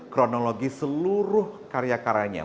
kronologi seluruh karya karyanya